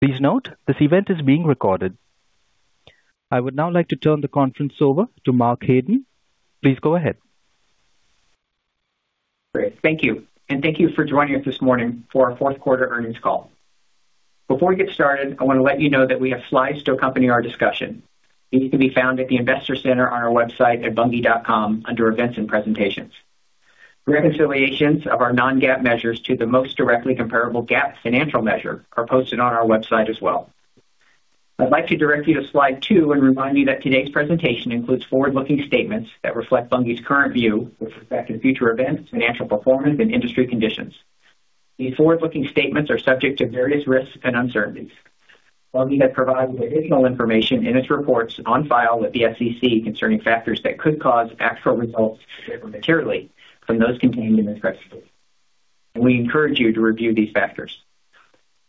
Please note, this event is being recorded. I would now like to turn the conference over to Mark Haden. Please go ahead. Great. Thank you, and thank you for joining us this morning for our fourth quarter earnings call. Before we get started, I want to let you know that we have slides to accompany our discussion. These can be found at the Investor Center on our website at bunge.com, under Events and Presentations. Reconciliations of our non-GAAP measures to the most directly comparable GAAP financial measure are posted on our website as well. I'd like to direct you to slide 2 and remind you that today's presentation includes forward-looking statements that reflect Bunge's current view with respect to future events, financial performance, and industry conditions. These forward-looking statements are subject to various risks and uncertainties. Bunge has provided additional information in its reports on file with the SEC concerning factors that could cause actual results to differ materially from those contained in this presentation. We encourage you to review these factors.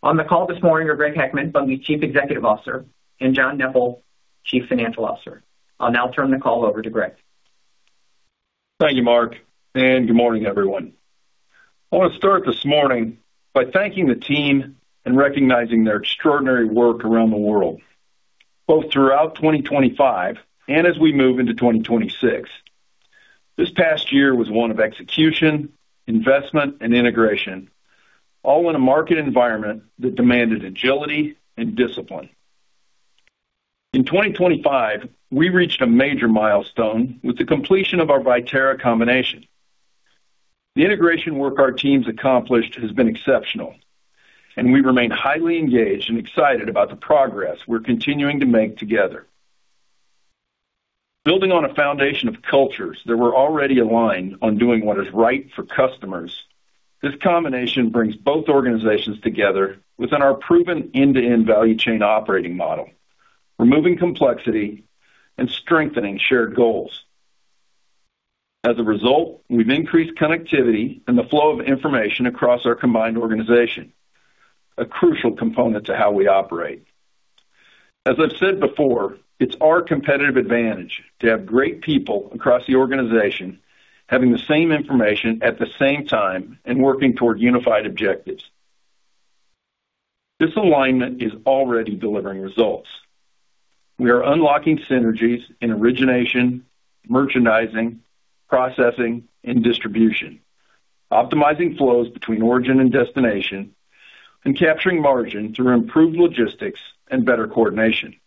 On the call this morning are Greg Heckman, Bunge's Chief Executive Officer, and John Neppl, Chief Financial Officer. I'll now turn the call over to Greg. Thank you, Mark, and good morning, everyone. I want to start this morning by thanking the team and recognizing their extraordinary work around the world, both throughout 2025 and as we move into 2026. This past year was one of execution, investment, and integration, all in a market environment that demanded agility and discipline. In 2025, we reached a major milestone with the completion of our Viterra combination. The integration work our teams accomplished has been exceptional, and we remain highly engaged and excited about the progress we're continuing to make together. Building on a foundation of cultures that were already aligned on doing what is right for customers, this combination brings both organizations together within our proven end-to-end value chain operating model, removing complexity and strengthening shared goals. As a result, we've increased connectivity and the flow of information across our combined organization, a crucial component to how we operate. As I've said before, it's our competitive advantage to have great people across the organization having the same information at the same time and working toward unified objectives. This alignment is already delivering results. We are unlocking synergies in origination, merchandising, processing, and distribution, optimizing flows between origin and destination, and capturing margin through improved logistics and better coordination.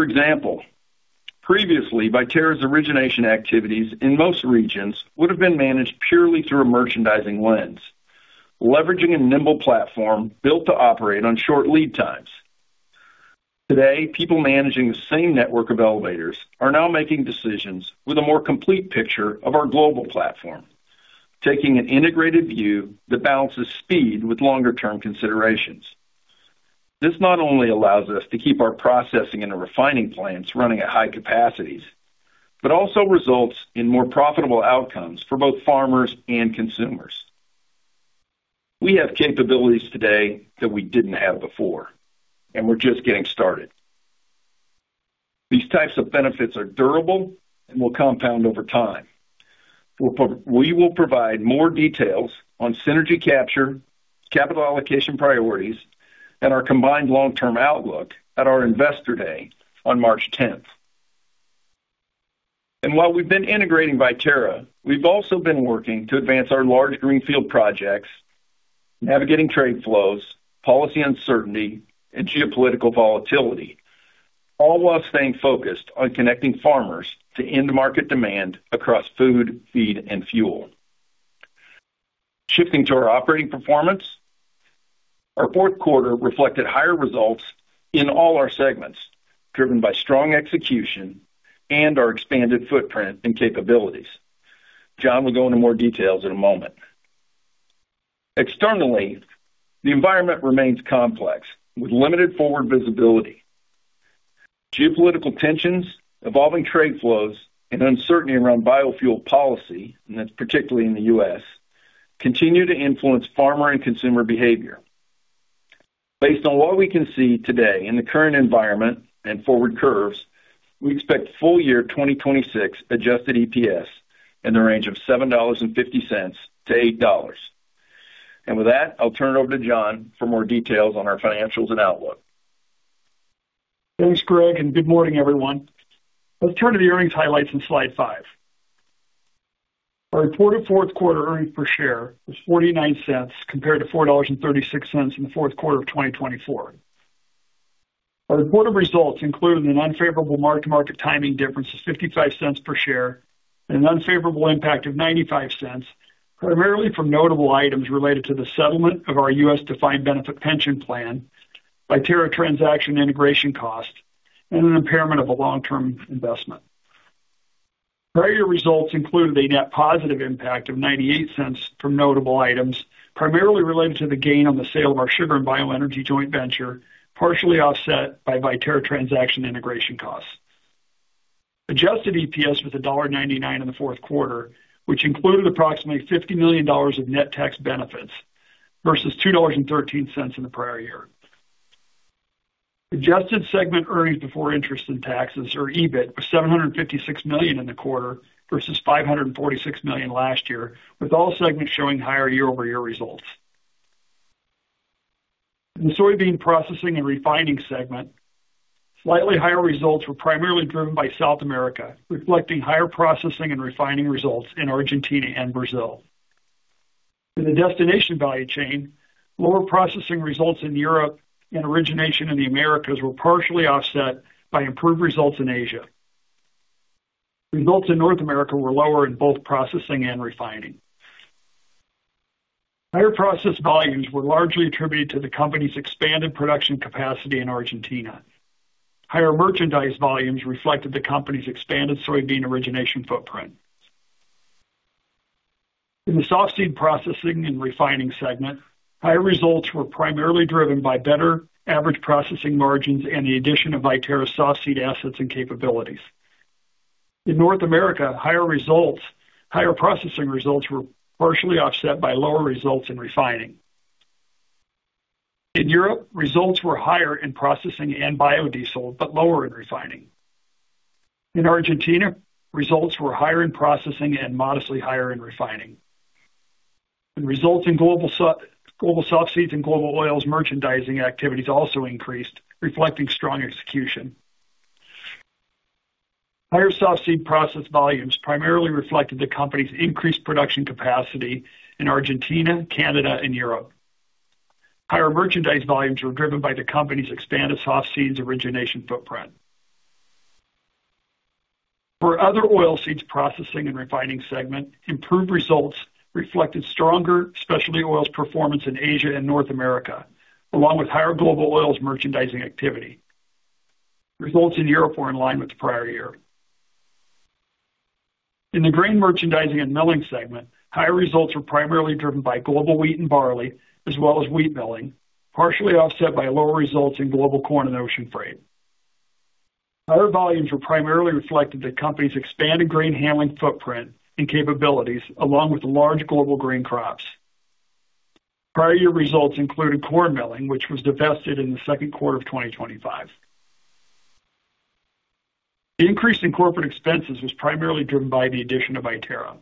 For example, previously, Viterra's origination activities in most regions would have been managed purely through a merchandising lens, leveraging a nimble platform built to operate on short lead times. Today, people managing the same network of elevators are now making decisions with a more complete picture of our global platform, taking an integrated view that balances speed with longer-term considerations. This not only allows us to keep our processing and refining plants running at high capacities, but also results in more profitable outcomes for both farmers and consumers. We have capabilities today that we didn't have before, and we're just getting started. These types of benefits are durable and will compound over time. We will provide more details on synergy capture, capital allocation priorities, and our combined long-term outlook at our Investor Day on March 10th. And while we've been integrating Viterra, we've also been working to advance our large greenfield projects, navigating trade flows, policy uncertainty, and geopolitical volatility, all while staying focused on connecting farmers to end market demand across food, feed, and fuel. Shifting to our operating performance, our fourth quarter reflected higher results in all our segments, driven by strong execution and our expanded footprint and capabilities. John will go into more details in a moment. Externally, the environment remains complex, with limited forward visibility. Geopolitical tensions, evolving trade flows, and uncertainty around biofuel policy, and that's particularly in the U.S., continue to influence farmer and consumer behavior. Based on what we can see today in the current environment and forward curves, we expect full year 2026 adjusted EPS in the range of $7.50-$8. With that, I'll turn it over to John for more details on our financials and outlook. Thanks, Greg, and good morning, everyone. Let's turn to the earnings highlights on slide 5. Our reported fourth quarter earnings per share was $0.49, compared to $4.36 in the fourth quarter of 2024. Our reported results included an unfavorable mark-to-market timing difference of $0.55 per share and an unfavorable impact of $0.95, primarily from notable items related to the settlement of our U.S. defined benefit pension plan, Viterra transaction integration cost, and an impairment of a long-term investment. Prior year results included a net positive impact of $0.98 from notable items, primarily related to the gain on the sale of our sugar and bioenergy joint venture, partially offset by Viterra transaction integration costs. Adjusted EPS was $1.99 in the fourth quarter, which included approximately $50 million of net tax benefits versus $2.13 in the prior year. Adjusted segment earnings before interest and taxes, or EBIT, was $756 million in the quarter, versus $546 million last year, with all segments showing higher year-over-year results. In the soybean processing and refining segment, slightly higher results were primarily driven by South America, reflecting higher processing and refining results in Argentina and Brazil. In the destination value chain, lower processing results in Europe and origination in the Americas were partially offset by improved results in Asia. Results in North America were lower in both processing and refining. Higher process volumes were largely attributed to the company's expanded production capacity in Argentina. Higher merchandise volumes reflected the company's expanded soybean origination footprint. In the soft seed processing and refining segment, higher results were primarily driven by better average processing margins and the addition of Viterra's soft seed assets and capabilities. In North America, higher results, higher processing results were partially offset by lower results in refining. In Europe, results were higher in processing and biodiesel, but lower in refining. In Argentina, results were higher in processing and modestly higher in refining. Results in global soft seeds and global oils merchandising activities also increased, reflecting strong execution. Higher soft seed process volumes primarily reflected the company's increased production capacity in Argentina, Canada, and Europe. Higher merchandise volumes were driven by the company's expanded soft seeds origination footprint. For other oilseeds processing and refining segment, improved results reflected stronger specialty oils performance in Asia and North America, along with higher global oils merchandising activity. Results in Europe were in line with the prior year. In the grain merchandising and milling segment, higher results were primarily driven by global wheat and barley, as well as wheat milling, partially offset by lower results in global corn and ocean freight. Higher volumes were primarily reflected the company's expanded grain handling footprint and capabilities, along with large global grain crops. Prior year results included corn milling, which was divested in the second quarter of 2025. The increase in corporate expenses was primarily driven by the addition of Viterra.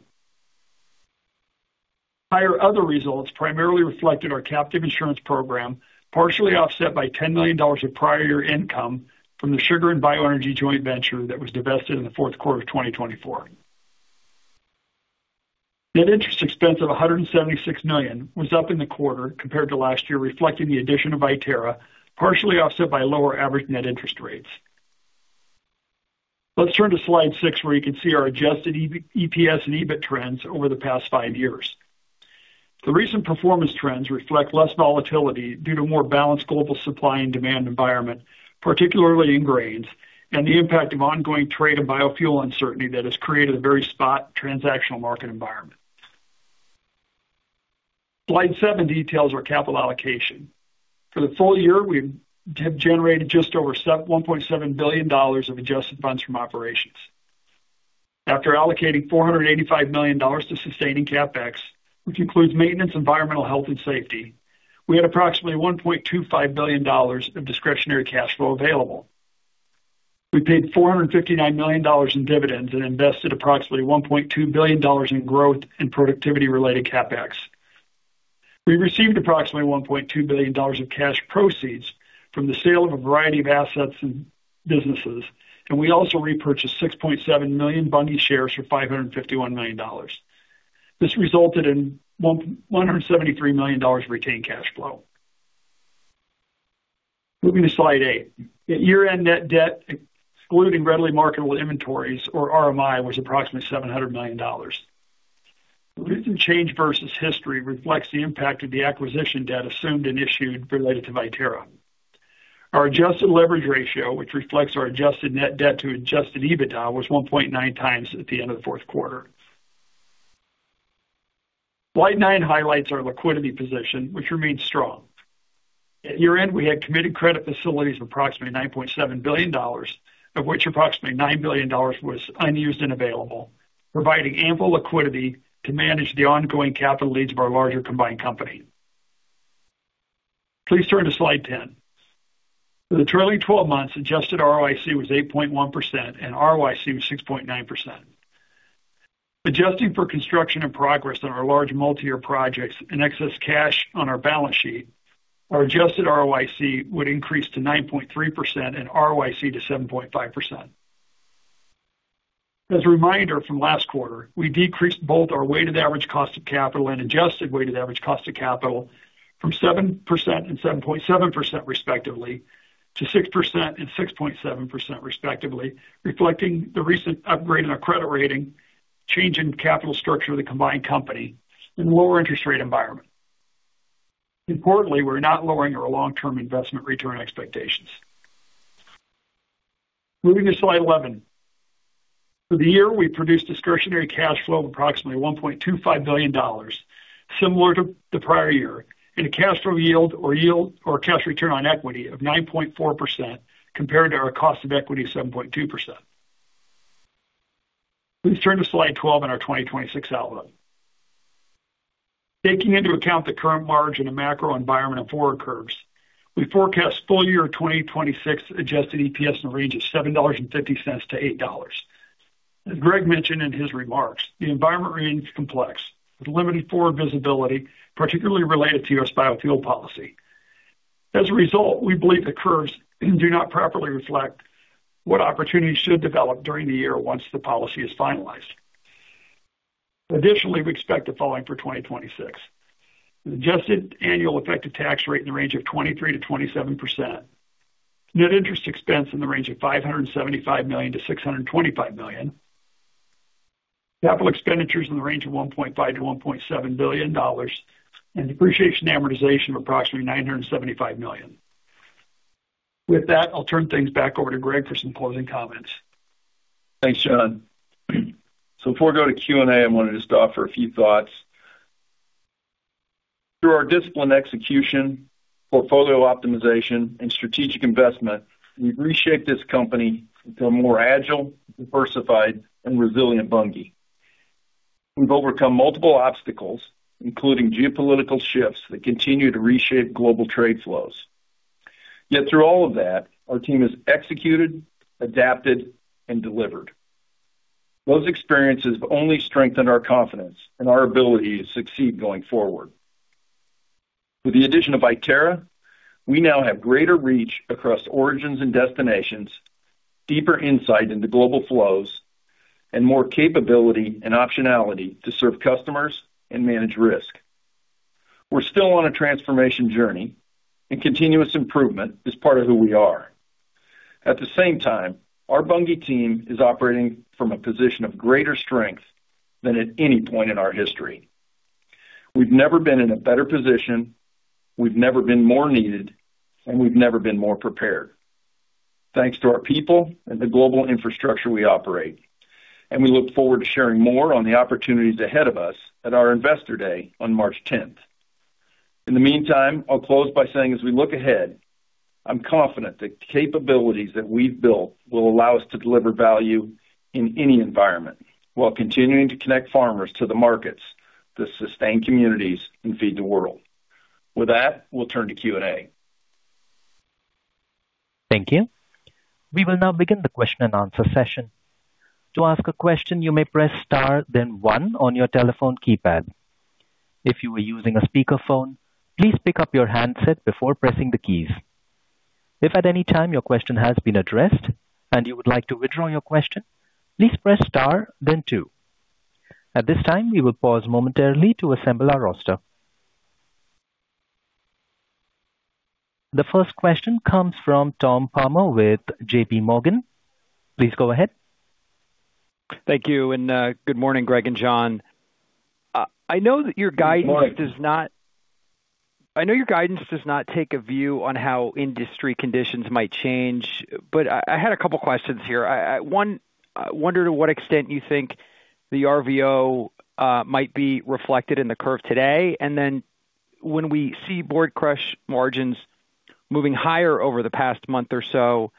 Higher other results primarily reflected our captive insurance program, partially offset by $10 million of prior year income from the sugar and bioenergy joint venture that was divested in the fourth quarter of 2024. Net interest expense of $176 million was up in the quarter compared to last year, reflecting the addition of Viterra, partially offset by lower average net interest rates. Let's turn to slide 6, where you can see our adjusted EBITDA, EPS and EBIT trends over the past five years. The recent performance trends reflect less volatility due to more balanced global supply and demand environment, particularly in grains, and the impact of ongoing trade and biofuel uncertainty that has created a very spot transactional market environment. Slide 7 details our capital allocation. For the full year, we've generated just over $1.7 billion of adjusted funds from operations. After allocating $485 million to sustaining CapEx, which includes maintenance, environmental, health, and safety, we had approximately $1.25 billion of discretionary cash flow available. We paid $459 million in dividends and invested approximately $1.2 billion in growth and productivity-related CapEx. We received approximately $1.2 billion of cash proceeds from the sale of a variety of assets and businesses, and we also repurchased 6.7 million Bunge shares for $551 million. This resulted in $1,173 million of retained cash flow. Moving to slide 8. At year-end, net debt, excluding readily marketable inventories, or RMI, was approximately $700 million. The recent change versus history reflects the impact of the acquisition debt assumed and issued related to Viterra. Our adjusted leverage ratio, which reflects our adjusted net debt to adjusted EBITDA, was 1.9 times at the end of the fourth quarter. Slide 9 highlights our liquidity position, which remains strong. At year-end, we had committed credit facilities of approximately $9.7 billion, of which approximately $9 billion was unused and available, providing ample liquidity to manage the ongoing capital needs of our larger combined company. Please turn to slide 10. For the trailing twelve months, adjusted ROIC was 8.1%, and ROIC was 6.9%. Adjusting for construction and progress on our large multiyear projects and excess cash on our balance sheet, our adjusted ROIC would increase to 9.3%, and ROIC to 7.5%. As a reminder from last quarter, we decreased both our weighted average cost of capital and adjusted weighted average cost of capital from 7% and 7.7% respectively, to 6% and 6.7% respectively, reflecting the recent upgrade in our credit rating, change in capital structure of the combined company and lower interest rate environment. Importantly, we're not lowering our long-term investment return expectations. Moving to slide 11. For the year, we produced discretionary cash flow of approximately $1.25 billion, similar to the prior year, and a cash flow yield or yield or cash return on equity of 9.4% compared to our cost of equity of 7.2%. Please turn to slide 12 in our 2026 outlook. Taking into account the current margin and macro environment of forward curves, we forecast full year 2026 Adjusted EPS in the range of $7.50-$8. As Greg mentioned in his remarks, the environment remains complex, with limited forward visibility, particularly related to U.S. biofuel policy. As a result, we believe the curves do not properly reflect what opportunities should develop during the year once the policy is finalized. Additionally, we expect the following for 2026: adjusted annual effective tax rate in the range of 23%-27%, net interest expense in the range of $575 million-$625 million, capital expenditures in the range of $1.5 billion-$1.7 billion, and depreciation amortization of approximately $975 million. With that, I'll turn things back over to Greg for some closing comments. Thanks, John. So before we go to Q&A, I want to just offer a few thoughts. Through our disciplined execution, portfolio optimization, and strategic investment, we've reshaped this company into a more agile, diversified, and resilient Bunge. We've overcome multiple obstacles, including geopolitical shifts that continue to reshape global trade flows. Yet through all of that, our team has executed, adapted, and delivered. Those experiences have only strengthened our confidence and our ability to succeed going forward. With the addition of Viterra, we now have greater reach across origins and destinations, deeper insight into global flows, and more capability and optionality to serve customers and manage risk. We're still on a transformation journey, and continuous improvement is part of who we are. At the same time, our Bunge team is operating from a position of greater strength than at any point in our history. We've never been in a better position, we've never been more needed, and we've never been more prepared, thanks to our people and the global infrastructure we operate. We look forward to sharing more on the opportunities ahead of us at our Investor Day on March 10th. In the meantime, I'll close by saying, as we look ahead, I'm confident the capabilities that we've built will allow us to deliver value in any environment while continuing to connect farmers to the markets, to sustain communities, and feed the world. With that, we'll turn to Q&A. Thank you. We will now begin the question-and-answer session. To ask a question, you may press star, then one on your telephone keypad. If you are using a speakerphone, please pick up your handset before pressing the keys. If at any time your question has been addressed and you would like to withdraw your question, please press star, then two. At this time, we will pause momentarily to assemble our roster. The first question comes from Tom Palmer with J.P. Morgan. Please go ahead. Thank you, and good morning, Greg and John. I know that your guidance does not take a view on how industry conditions might change, but one, I wonder to what extent you think the RVO might be reflected in the curve today? And then, when we see soybean crush margins moving higher over the past month or so,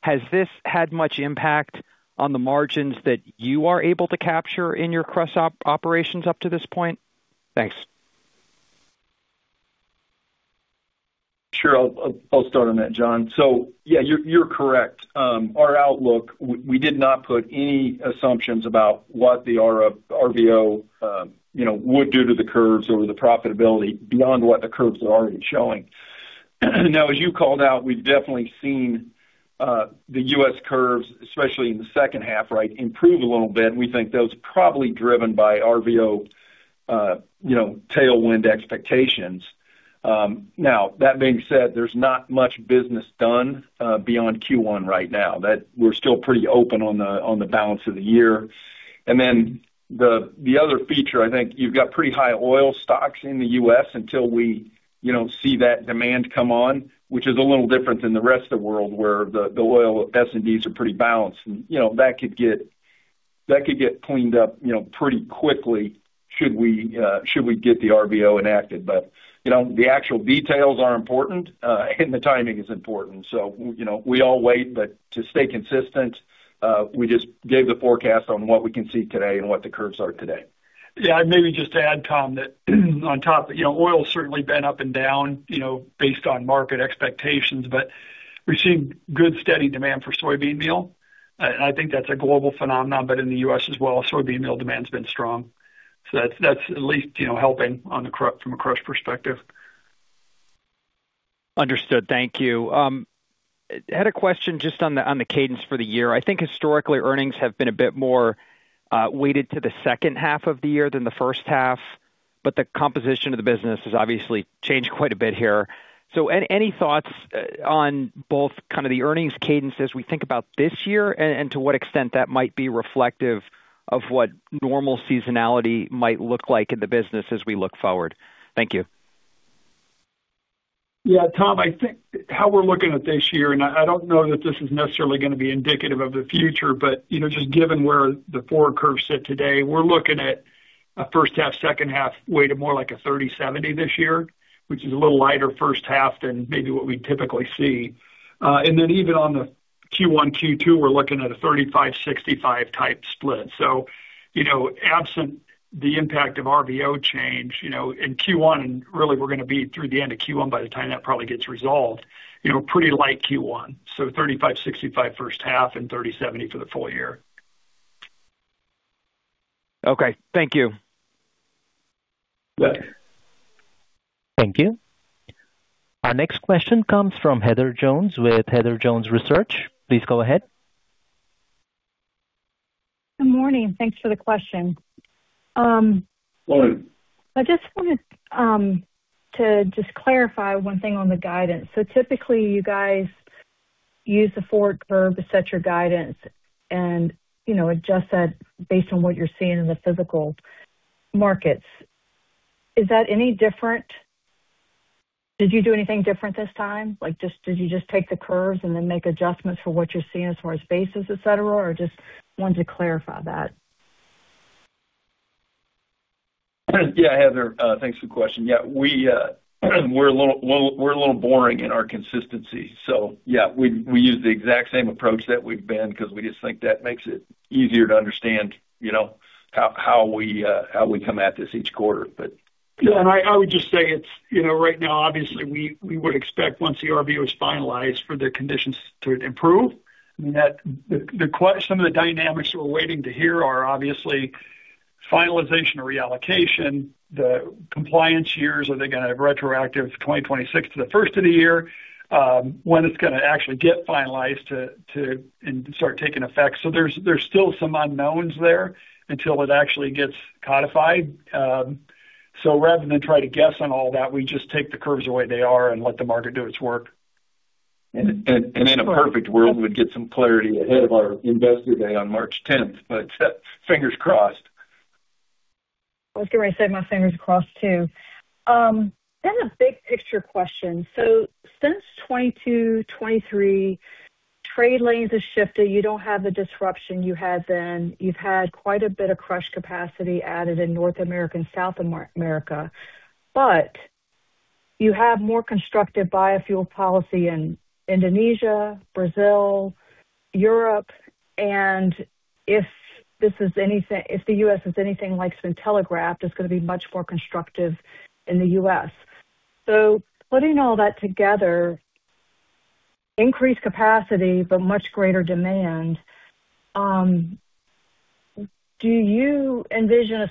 has this had much impact on the margins that you are able to capture in your crush operations up to this point? Thanks. Sure. I'll start on that, John. So yeah, you're correct. Our outlook, we did not put any assumptions about what the RVO would do to the curves or the profitability beyond what the curves are already showing. Now, as you called out, we've definitely seen the US curves, especially in the second half, right, improve a little bit. We think those are probably driven by RVO tailwind expectations. Now, that being said, there's not much business done beyond Q1 right now. That we're still pretty open on the balance of the year. Then, the other feature, I think you've got pretty high oil stocks in the U.S. until we, you know, see that demand come on, which is a little different than the rest of the world, where the oil S&Ds are pretty balanced. And, you know, that could get cleaned up, you know, pretty quickly, should we get the RVO enacted. But, you know, the actual details are important, and the timing is important. So, you know, we all wait, but to stay consistent, we just gave the forecast on what we can see today and what the curves are today. Yeah, maybe just to add, Tom, that on top, you know, oil's certainly been up and down, you know, based on market expectations, but we've seen good, steady demand for soybean meal. And I think that's a global phenomenon, but in the U.S. as well, soybean meal demand's been strong. So that's at least, you know, helping on the crush, from a crush perspective. Understood. Thank you. I had a question just on the cadence for the year. I think historically, earnings have been a bit more weighted to the second half of the year than the first half, but the composition of the business has obviously changed quite a bit here. So any thoughts on both kind of the earnings cadence as we think about this year, and to what extent that might be reflective of what normal seasonality might look like in the business as we look forward? Thank you. Yeah, Tom, I think how we're looking at this year, and I don't know that this is necessarily gonna be indicative of the future, but, you know, just given where the forward curves sit today, we're looking at a first half, second half, weighted more like a 30/70 this year, which is a little lighter first half than maybe what we typically see. And then even on the Q1, Q2, we're looking at a 35/65 type split. So, you know, absent the impact of RVO change, you know, in Q1, really, we're going to be through the end of Q1 by the time that probably gets resolved, you know, pretty light Q1. So 35/65 first half and 30/70 for the full year. Okay, thank you. You bet. Thank you. Our next question comes from Heather Jones with Heather Jones Research. Please go ahead. Good morning, thanks for the question. Hello. I just wanted to just clarify one thing on the guidance. So typically you guys use the forward curve to set your guidance and, you know, adjust that based on what you're seeing in the physical markets. Is that any different? Did you do anything different this time? Like, just, did you just take the curves and then make adjustments for what you're seeing as far as basis, et cetera, or just wanted to clarify that? Yeah, Heather, thanks for the question. Yeah, we, we're a little, we're a little boring in our consistency. So yeah, we, we use the exact same approach that we've been, 'cause we just think that makes it easier to understand, you know, how, how we come at this each quarter, but- Yeah, and I, I would just say it's, you know, right now, obviously, we, we would expect once the RVO is finalized, for the conditions to improve. I mean, that-- some of the dynamics we're waiting to hear are obviously finalization or reallocation, the compliance years. Are they gonna have retroactive 2026 to the first of the year? When it's gonna actually get finalized to, to, and start taking effect. So there's, there's still some unknowns there until it actually gets codified. Rather than try to guess on all that, we just take the curves the way they are and let the market do its work. And in a perfect world, we'd get some clarity ahead of our Investor Day on March 10th, but fingers crossed. I was going to say my fingers are crossed, too. Then a big picture question. So since 2022, 2023, trade lanes have shifted. You don't have the disruption you had then. You've had quite a bit of crush capacity added in North America and South America, but you have more constructive biofuel policy in Indonesia, Brazil, Europe, and if the US is anything like it's been telegraphed, it's going to be much more constructive in the US. So putting all that together, increased capacity, but much greater demand, do you envision a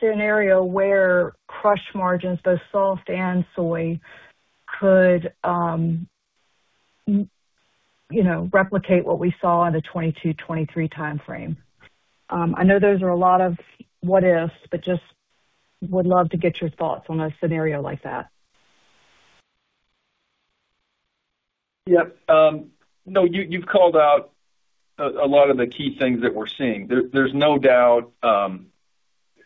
scenario where crush margins, both soft and soy, could, you know, replicate what we saw in the 2022, 2023 timeframe? I know those are a lot of what ifs, but just would love to get your thoughts on a scenario like that. Yep. No, you've called out a lot of the key things that we're seeing. There's no doubt,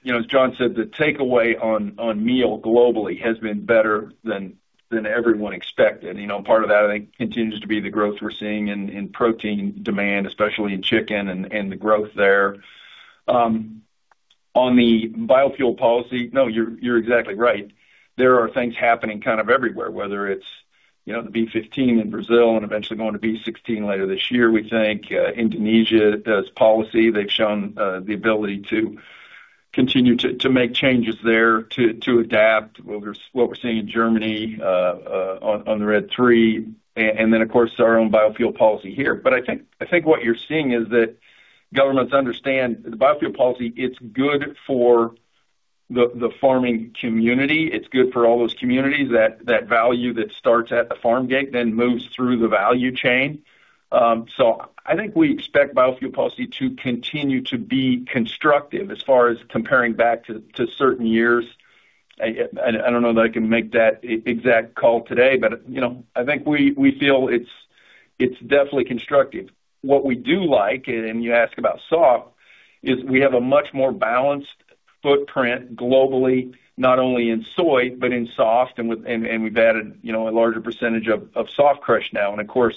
you know, as John said, the takeaway on meal globally has been better than everyone expected. You know, part of that, I think, continues to be the growth we're seeing in protein demand, especially in chicken and the growth there. On the biofuel policy, no, you're exactly right. There are things happening kind of everywhere, whether it's, you know, the B15 in Brazil and eventually going to B16 later this year, we think. Indonesia does policy. They've shown the ability to continue to make changes there, to adapt what we're seeing in Germany, on the RED III, and then, of course, our own biofuel policy here. But I think what you're seeing is that governments understand the biofuel policy, it's good for the farming community. It's good for all those communities, that value that starts at the farm gate, then moves through the value chain. So I think we expect biofuel policy to continue to be constructive as far as comparing back to certain years. I don't know that I can make that exact call today, but, you know, I think we feel it's definitely constructive. What we do like, and you ask about soft, is we have a much more balanced footprint globally, not only in soy, but in soft, and and we've added, you know, a larger percentage of soft crush now. And of course,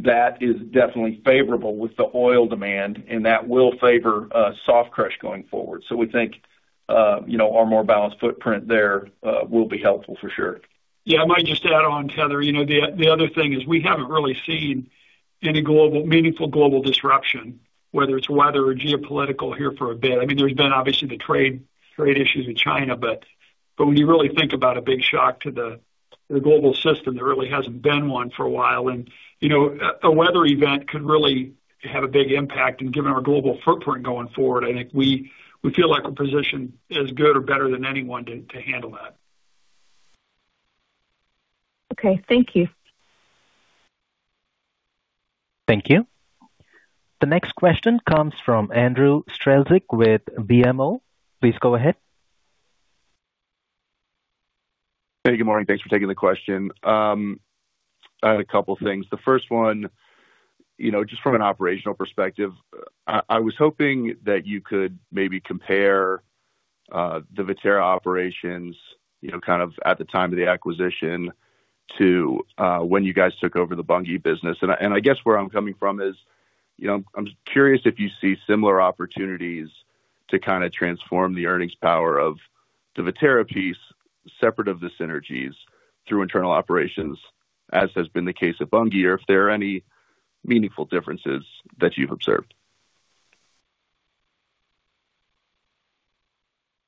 that is definitely favorable with the oil demand, and that will favor soft crush going forward. So we think, you know, our more balanced footprint there will be helpful for sure. Yeah. I might just add on, Heather, you know, the other thing is we haven't really seen any meaningful global disruption, whether it's weather or geopolitical here for a bit. I mean, there's been obviously the trade issues with China, but when you really think about a big shock to the global system, there really hasn't been one for a while. And, you know, a weather event could really have a big impact in giving our global footprint going forward. I think we feel like we're positioned as good or better than anyone to handle that. Okay, thank you. Thank you. The next question comes from Andrew Strelzik with BMO. Please go ahead. Hey, good morning. Thanks for taking the question. I had a couple things. The first one, you know, just from an operational perspective, I was hoping that you could maybe compare the Viterra operations, you know, kind of at the time of the acquisition to when you guys took over the Bunge business. I guess where I'm coming from is, you know, I'm curious if you see similar opportunities to kind of transform the earnings power of the Viterra piece, separate of the synergies through internal operations, as has been the case at Bunge, or if there are any meaningful differences that you've observed?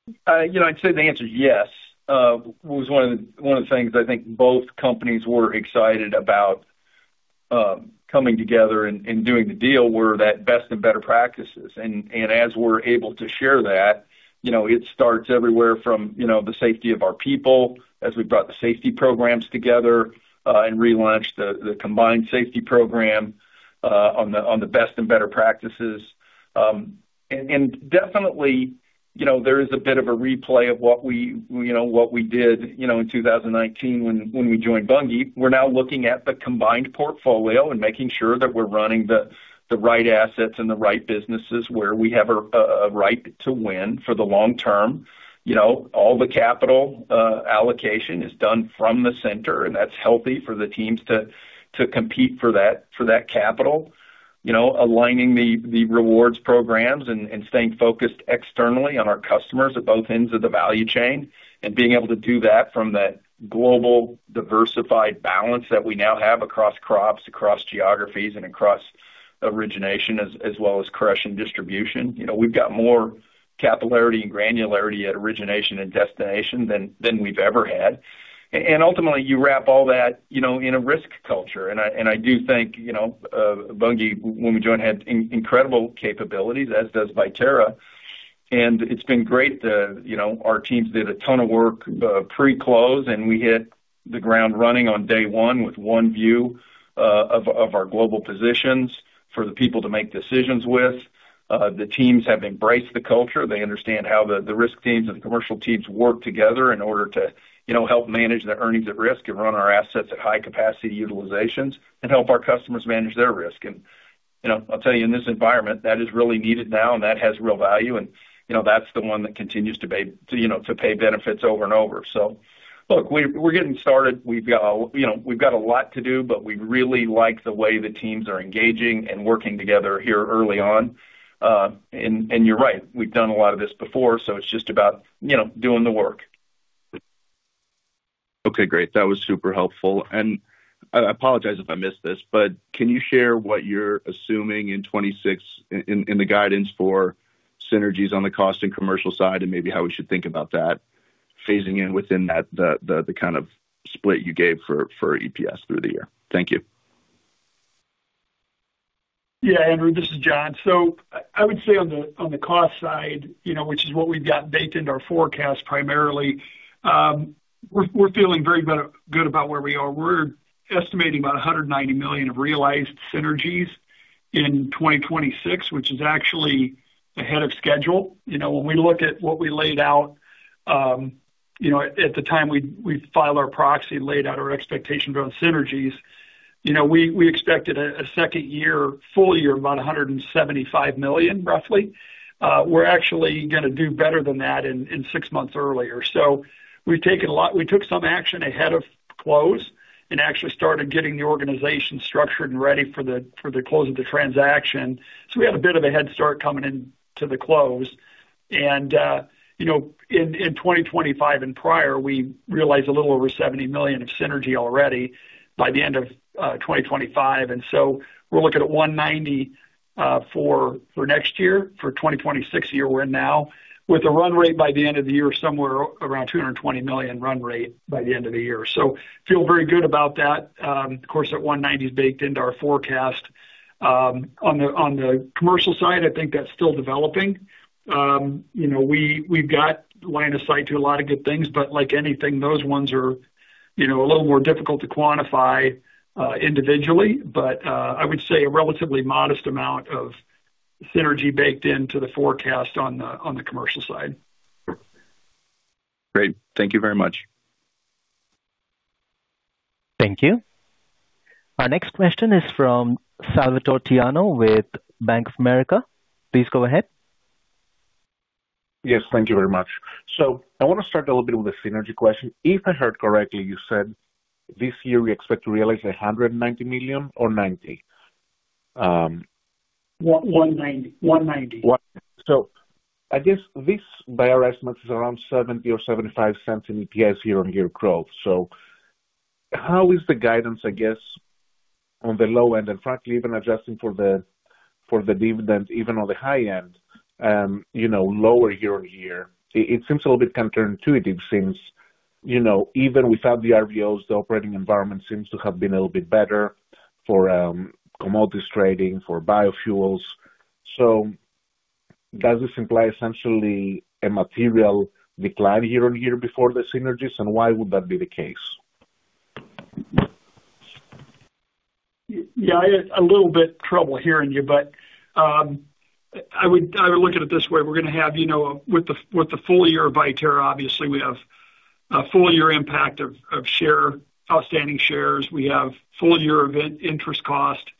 You know, I'd say the answer is yes. Was one of the, one of the things I think both companies were excited about, coming together and, and doing the deal, were that best and better practices. And, and as we're able to share that, you know, it starts everywhere from, you know, the safety of our people, as we brought the safety programs together, and relaunched the, the combined safety program, on the, on the best and better practices. And, and definitely, you know, there is a bit of a replay of what we, you know, what we did, you know, in 2019 when, when we joined Bunge. We're now looking at the combined portfolio and making sure that we're running the, the right assets and the right businesses where we have a, a right to win for the long term. You know, all the capital allocation is done from the center, and that's healthy for the teams to, to compete for that, for that capital. You know, aligning the, the rewards programs and, and staying focused externally on our customers at both ends of the value chain, and being able to do that from that global diversified balance that we now have across crops, across geographies, and across origination, as, as well as crush and distribution. You know, we've got more capillarity and granularity at origination and destination than, than we've ever had. And ultimately, you wrap all that, you know, in a risk culture. And I, and I do think, you know, Bunge, when we joined, had incredible capabilities, as does Viterra. And it's been great to... You know, our teams did a ton of work pre-close, and we hit the ground running on day one with one view of our global positions for the people to make decisions with. The teams have embraced the culture. They understand how the risk teams and the commercial teams work together in order to, you know, help manage the earnings at risk and run our assets at high capacity utilizations and help our customers manage their risk. And, you know, I'll tell you, in this environment, that is really needed now, and that has real value. And, you know, that's the one that continues to pay, you know, to pay benefits over and over. So look, we're getting started. We've got, you know, we've got a lot to do, but we really like the way the teams are engaging and working together here early on. You're right, we've done a lot of this before, so it's just about, you know, doing the work. Okay, great. That was super helpful. And I apologize if I missed this, but can you share what you're assuming in 2026 in the guidance for synergies on the cost and commercial side, and maybe how we should think about that phasing in within that, the kind of split you gave for EPS through the year? Thank you. Yeah, Andrew, this is John. So I would say on the, on the cost side, you know, which is what we've got baked into our forecast primarily, we're, we're feeling very good about where we are. We're estimating about $190 million of realized synergies in 2026, which is actually ahead of schedule. You know, when we look at what we laid out, you know, at the time we, we filed our proxy and laid out our expectation around synergies, you know, we, we expected a, a second year, full year, about $175 million, roughly. We're actually gonna do better than that in, in six months earlier. So we took some action ahead of close and actually started getting the organization structured and ready for the, for the close of the transaction. So we had a bit of a head start coming in to the close. And, you know, in 2025 and prior, we realized a little over $70 million of synergy already by the end of 2025. And so we're looking at $190 for next year, for 2026, the year we're in now, with a run rate by the end of the year, somewhere around $220 million run rate by the end of the year. So feel very good about that. Of course, that $190 is baked into our forecast. On the commercial side, I think that's still developing. You know, we've got line of sight to a lot of good things, but like anything, those ones are, you know, a little more difficult to quantify, individually. But, I would say a relatively modest amount of synergy baked into the forecast on the commercial side. Great. Thank you very much. Thank you. Our next question is from Salvatore Tiano with Bank of America. Please go ahead. Yes, thank you very much. I want to start a little bit with the synergy question. If I heard correctly, you said this year we expect to realize $190 million or $90 million? $190 million. $190 million. So I guess this, by our estimates, is around $0.70 or $0.75 in EPS year-on-year growth. So how is the guidance, I guess, on the low end, and frankly, even adjusting for the, for the dividend, even on the high end, you know, lower year-on-year? It seems a little bit counterintuitive since, you know, even without the RVOs, the operating environment seems to have been a little bit better for, commodities trading, for biofuels. So does this imply essentially a material decline year-on-year before the synergies, and why would that be the case? Yeah, I had a little bit trouble hearing you, but I would, I would look at it this way. We're gonna have, you know, with the full year of Viterra, obviously, we have a full year impact of outstanding shares. We have full year of interest cost,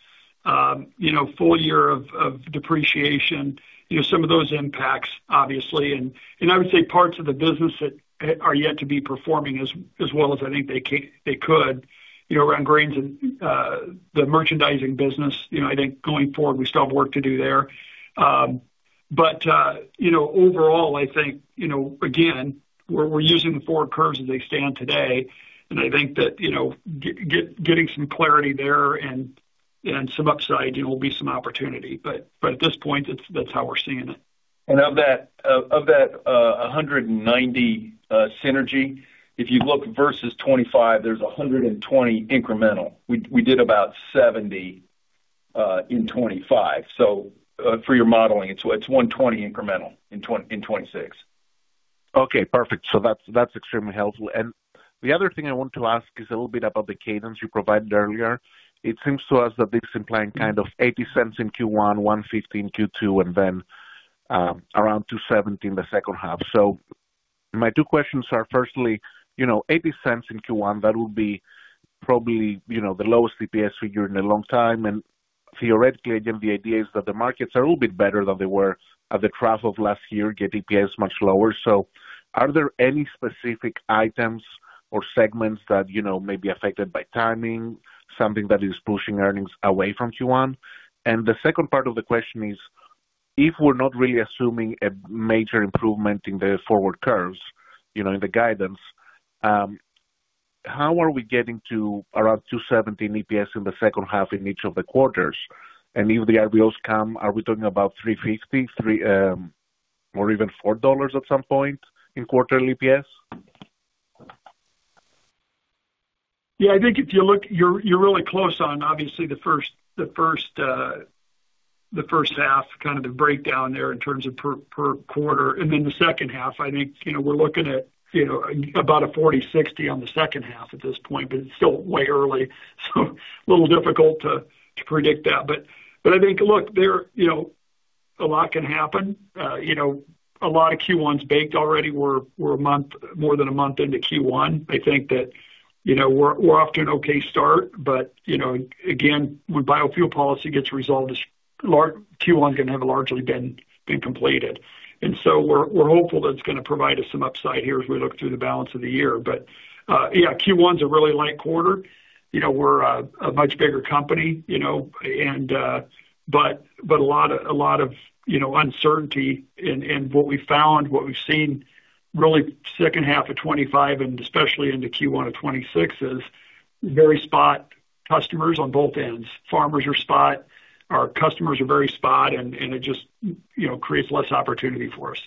you know, full year of depreciation, you know, some of those impacts, obviously. And I would say parts of the business that are yet to be performing as well as I think they could, you know, around grains and the merchandising business. You know, I think going forward, we still have work to do there. But, you know, overall, I think, you know, again, we're using the forward curves as they stand today, and I think that, you know, getting some clarity there and some upside, you know, will be some opportunity. But at this point, that's how we're seeing it. Of that, $190 million synergy, if you look versus 2025, there's $120 million incremental. We did about $70 million in 2025. So, for your modeling, it's $120 million incremental in 2026. Okay, perfect. So that's, that's extremely helpful. And the other thing I want to ask is a little bit about the cadence you provided earlier. It seems to us that this implying kind of $0.80 in Q1, $1.15 Q2, and then around $2.70 in the second half. So my two questions are, firstly, you know, $0.80 in Q1, that would be probably, you know, the lowest EPS figure in a long time, and theoretically, then the idea is that the markets are a little bit better than they were at the trough of last year, yet EPS much lower. So are there any specific items or segments that, you know, may be affected by timing, something that is pushing earnings away from Q1? The second part of the question is: If we're not really assuming a major improvement in the forward curves, you know, in the guidance, how are we getting to around $2.70 EPS in the second half in each of the quarters? If the RVOs come, are we talking about $3.50, $3, or even $4 at some point in quarterly EPS? Yeah, I think if you look, you're really close on, obviously, the first half, kind of the breakdown there in terms of per quarter. And then the second half, I think, you know, we're looking at, you know, about a 40/60 on the second half at this point, but it's still way early, so a little difficult to predict that. But I think, look, there, you know, a lot can happen. You know, a lot of Q1's baked already. We're more than a month into Q1. I think that, you know, we're off to an okay start, but, you know, again, when biofuel policy gets resolved, as far as Q1 can have largely been completed. And so we're hopeful that it's gonna provide us some upside here as we look through the balance of the year. But yeah, Q1's a really light quarter. You know, we're a much bigger company, you know, and but a lot of you know, uncertainty in what we found, what we've seen, really, second half of 2025 and especially into Q1 of 2026, is very spot customers on both ends. Farmers are spot, our customers are very spot, and it just, you know, creates less opportunity for us.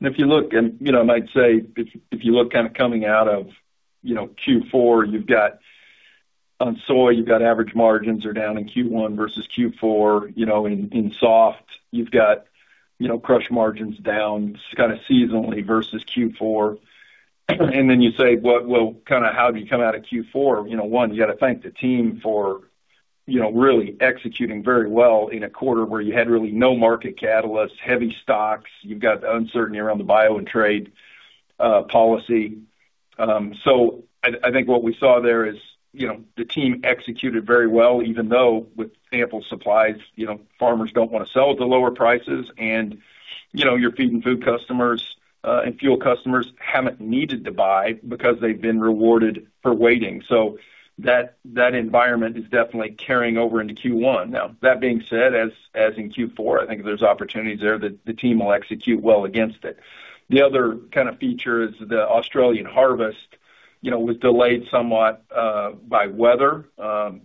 And if you look, you know, I might say, if you look kind of coming out of, you know, Q4, you've got on soy, you've got average margins are down in Q1 versus Q4. You know, in soft, you've got, you know, crush margins down, just kinda seasonally versus Q4. And then you say, what, well, kinda how do you come out of Q4? You know, one, you gotta thank the team for, you know, really executing very well in a quarter where you had really no market catalysts, heavy stocks, you've got uncertainty around the bio and trade policy. So I think what we saw there is, you know, the team executed very well, even though, with ample supplies, you know, farmers don't wanna sell at the lower prices, and, you know, your feed and food customers and fuel customers haven't needed to buy because they've been rewarded for waiting. So that environment is definitely carrying over into Q1. Now, that being said, as in Q4, I think there's opportunities there that the team will execute well against it. The other kind of feature is the Australian harvest, you know, was delayed somewhat by weather.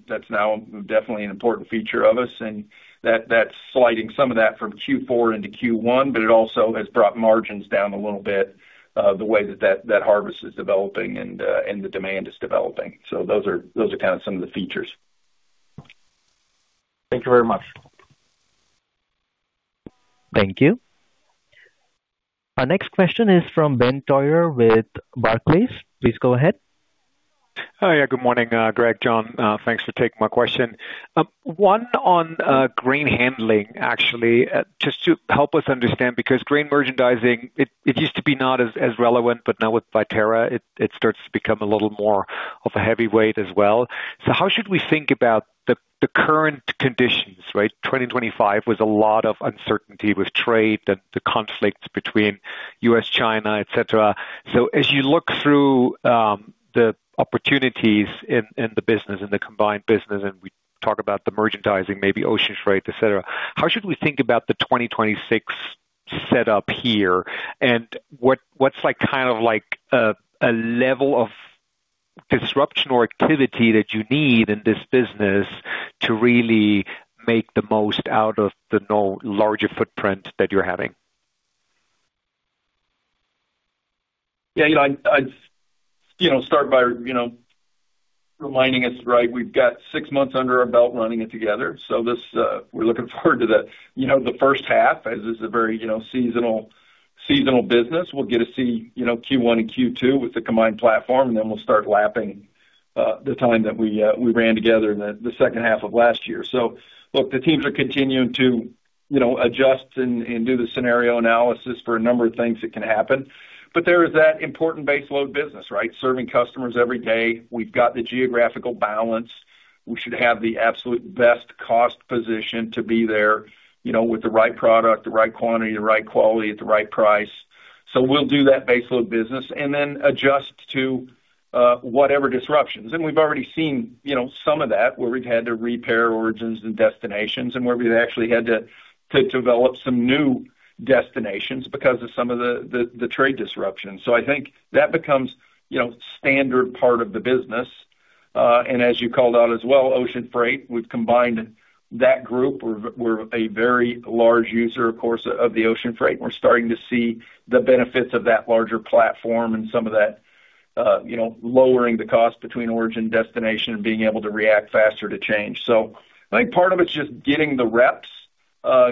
That's now definitely an important feature for us, and that's sliding some of that from Q4 into Q1, but it also has brought margins down a little bit, the way that that harvest is developing and the demand is developing. Those are, those are kind of some of the features. Thank you very much. Thank you. Our next question is from Ben Theurer with Barclays. Please go ahead. Hi. Yeah, good morning, Greg, John. Thanks for taking my question. One on grain handling, actually, just to help us understand, because grain merchandising, it, it used to be not as, as relevant, but now with Viterra, it, it starts to become a little more of a heavyweight as well. So how should we think about the, the current conditions, right? 2025 was a lot of uncertainty with trade and the conflicts between U.S., China, et cetera. So as you look through, the opportunities in, in the business, in the combined business, and we talk about the merchandising, maybe ocean freight, et cetera, how should we think about the 2026 setup here? What's like, kind of like a level of disruption or activity that you need in this business to really make the most out of the now larger footprint that you're having? Yeah, you know, I'd start by, you know, reminding us, right, we've got six months under our belt running it together. So this, we're looking forward to the, you know, the first half, as this is a very, you know, seasonal business. We'll get to see, you know, Q1 and Q2 with the combined platform, and then we'll start lapping the time that we, we ran together in the, the second half of last year. So look, the teams are continuing to, you know, adjust and do the scenario analysis for a number of things that can happen. But there is that important base load business, right? Serving customers every day. We've got the geographical balance. We should have the absolute best cost position to be there, you know, with the right product, the right quantity, the right quality, at the right price. So we'll do that base load business and then adjust to whatever disruptions. And we've already seen, you know, some of that, where we've had to repair origins and destinations, and where we've actually had to develop some new destinations because of some of the trade disruptions. So I think that becomes, you know, standard part of the business. And as you called out as well, ocean freight, we've combined that group. We're a very large user, of course, of the ocean freight, and we're starting to see the benefits of that larger platform and some of that, you know, lowering the cost between origin and destination and being able to react faster to change. So I think part of it is just getting the reps,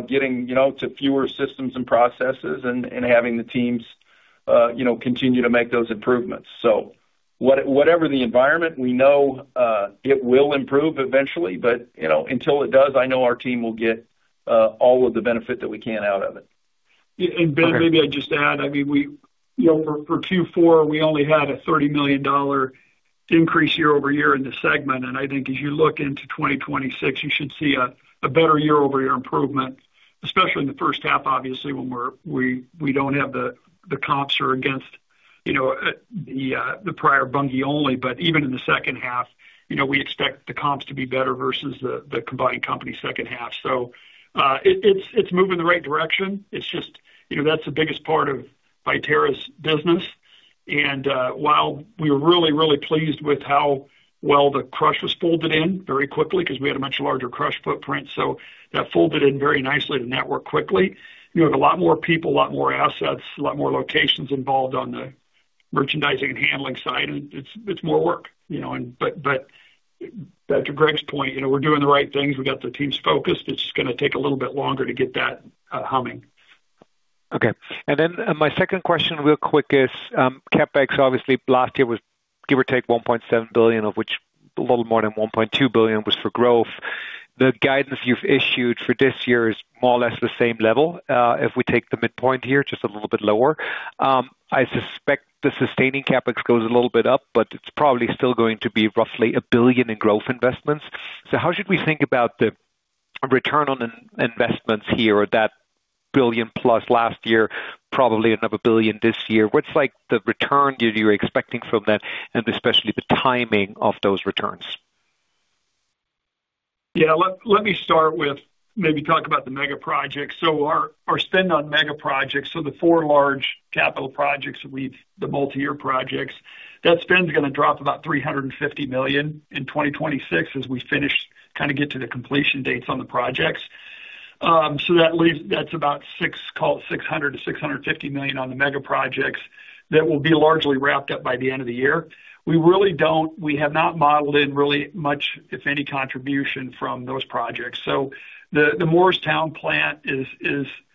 getting, you know, to fewer systems and processes and, and having the teams, you know, continue to make those improvements. So whatever the environment, we know, it will improve eventually, but, you know, until it does, I know our team will get, all of the benefit that we can out of it. Yeah, Ben, maybe I'd just add, I mean, you know, for 2024, we only had a $30 million increase year-over-year in the segment, and I think as you look into 2026, you should see a better year-over-year improvement, especially in the first half, obviously, when we're—we don't have the comps against, you know, the prior Bunge only. But even in the second half, you know, we expect the comps to be better versus the combined company second half. So, it's moving in the right direction. It's just, you know, that's the biggest part of Viterra's business. While we're really, really pleased with how well the crush was folded in very quickly, because we had a much larger crush footprint, so that folded in very nicely to network quickly. You have a lot more people, a lot more assets, a lot more locations involved on the merchandising and handling side, and it's, it's more work, you know, but back to Greg's point, you know, we're doing the right things. We got the teams focused. It's just gonna take a little bit longer to get that humming. Okay. My second question, real quick, is, CapEx, obviously last year was, give or take, $1.7 billion, of which a little more than $1.2 billion was for growth. The guidance you've issued for this year is more or less the same level. If we take the midpoint here, just a little bit lower. I suspect the sustaining CapEx goes a little bit up, but it's probably still going to be roughly $1 billion in growth investments. So how should we think about the return on in- investments here, or that $1 billion-plus last year, probably another $1 billion this year? What's, like, the return that you're expecting from that, and especially the timing of those returns? Yeah, let me start with maybe talk about the mega projects. So our spend on mega projects, so the four large capital projects that we've the multi-year projects, that spend is gonna drop about $350 million in 2026 as we finish, kinda get to the completion dates on the projects. So that leaves that's about six, call it $600 million-$650 million on the mega projects. That will be largely wrapped up by the end of the year. We really don't we have not modeled in really much, if any, contribution from those projects. So the Morristown plant is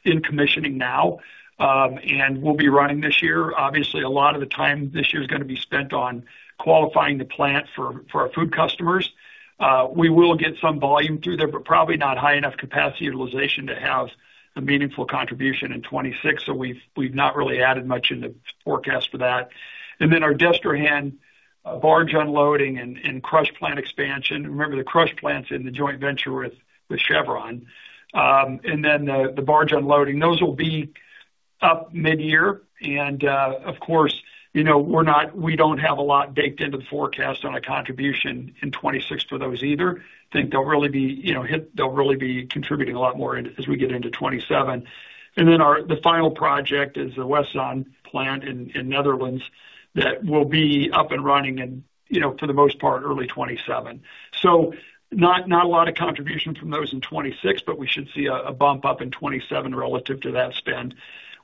in commissioning now, and will be running this year. Obviously, a lot of the time this year is gonna be spent on qualifying the plant for our food customers. We will get some volume through there, but probably not high enough capacity utilization to have a meaningful contribution in 2026, so we've not really added much in the forecast for that. And then our Destrehan barge unloading and crush plant expansion. Remember, the crush plants in the joint venture with Chevron. And then the barge unloading, those will be up midyear. And, of course, you know, we're not—we don't have a lot baked into the forecast on a contribution in 2026 for those either. I think they'll really be, you know, they'll really be contributing a lot more in as we get into 2027. And then our—the final project is the Westzaan plant in Netherlands. That will be up and running in, you know, for the most part, early 2027. So not a lot of contribution from those in 2026, but we should see a bump up in 2027 relative to that spend.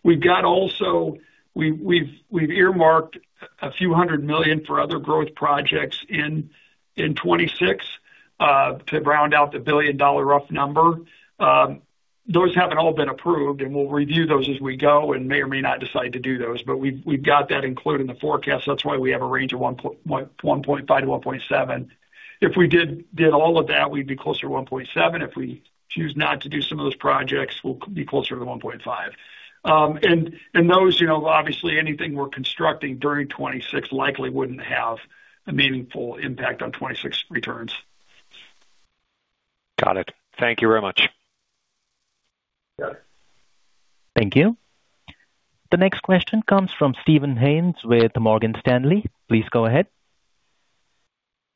We've also earmarked a few hundred million for other growth projects in 2026 to round out the billion-dollar rough number. Those haven't all been approved, and we'll review those as we go and may or may not decide to do those, but we've got that included in the forecast. That's why we have a range of $1.1-$1.7. If we did all of that, we'd be closer to $1.7. If we choose not to do some of those projects, we'll be closer to $1.5. Those, you know, obviously, anything we're constructing during 2026 likely wouldn't have a meaningful impact on 2026 returns. Got it. Thank you very much. Yeah. Thank you. The next question comes from Steven Haynes with Morgan Stanley. Please go ahead.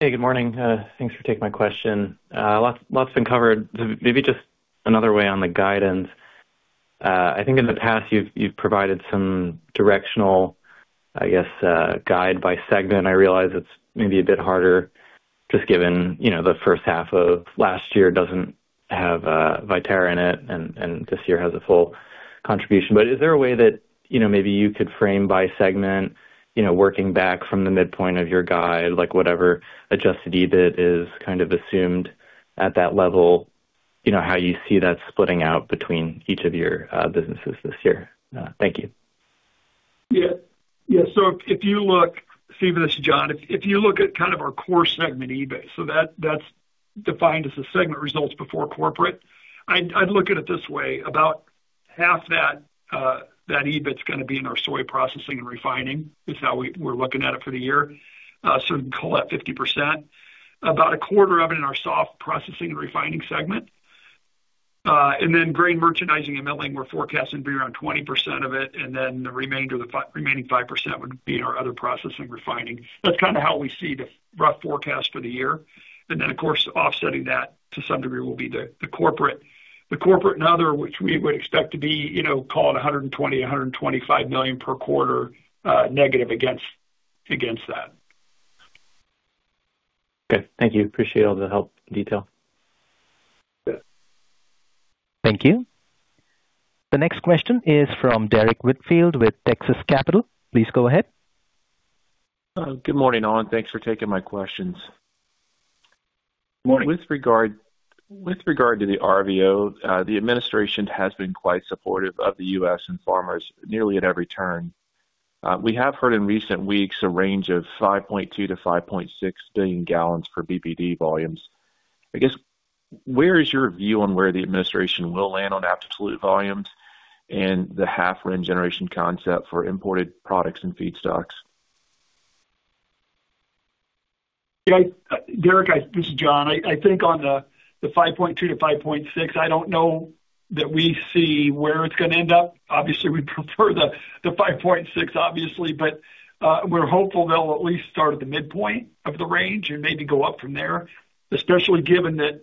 Hey, good morning. Thanks for taking my question. A lot, lots been covered. Maybe just another way on the guidance. I think in the past, you've, you've provided some directional, I guess, guide by segment. I realize it's maybe a bit harder, just given, you know, the first half of last year doesn't have Viterra in it, and, and this year has a full contribution. But is there a way that, you know, maybe you could frame by segment, you know, working back from the midpoint of your guide, like whatever Adjusted EBIT is kind of assumed at that level, you know, how you see that splitting out between each of your businesses this year? Thank you. Yeah. Yeah, so if you look, Steven, this is John. If you look at kind of our core segment EBIT, so that's defined as the segment results before corporate. I'd look at it this way, about half that EBIT is gonna be in our soy processing and refining. It's how we're looking at it for the year. So we call that 50%. About a quarter of it in our soft processing and refining segment. And then grain merchandising and milling, we're forecasting to be around 20% of it, and then the remainder, the remaining 5% would be in our other processing, refining. That's kind of how we see the rough forecast for the year. And then, of course, offsetting that to some degree will be the corporate. The corporate and other, which we would expect to be, you know, call it $120-$125 million per quarter, negative against, against that. Good. Thank you. Appreciate all the help and detail. Yeah. Thank you. The next question is from Derrick Whitfield with Texas Capital. Please go ahead. Good morning, all, and thanks for taking my questions. Good morning. With regard, with regard to the RVO, the administration has been quite supportive of the U.S. and farmers nearly at every turn. We have heard in recent weeks a range of 5.2 billion-5.6 billion gallons per BBD volumes. I guess, where is your view on where the administration will land on absolute volumes and the half RIN generation concept for imported products and feedstocks? Yeah, Derrick, this is John. I think on the 5.2-5.6, I don't know that we see where it's gonna end up. Obviously, we'd prefer the 5.6, obviously, but we're hopeful they'll at least start at the midpoint of the range and maybe go up from there, especially given that